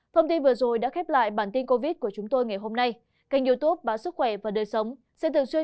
thông tin vừa rồi đã khép lại bản tin covid của chúng tôi ngày hôm nay